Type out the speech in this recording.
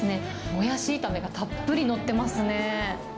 モヤシ炒めがたっぷり載ってますね。